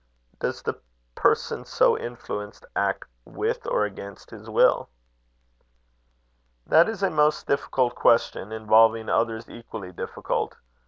"Does the person so influenced act with or against his will?" "That is a most difficult question, involving others equally difficult.